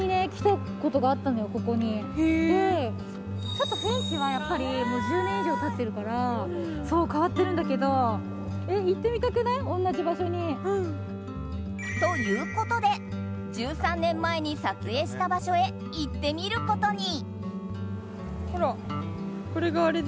ちょっと雰囲気は、やっぱり１０年以上経ってるから変わってるんだけど。ということで１３年前に撮影した場所へ行ってみることに。